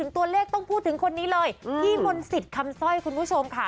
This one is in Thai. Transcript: ตัวเลขต้องพูดถึงคนนี้เลยพี่มนต์สิทธิ์คำสร้อยคุณผู้ชมค่ะ